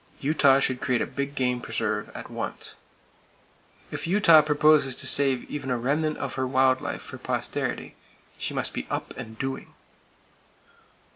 Utah should create a big game preserve, at once. If Utah proposes to save even a remnant of her wild life for posterity, she must be up and doing.